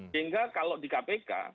sehingga kalau di kpk